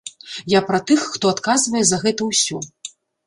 Я пра тых, хто адказвае за гэта ўсё.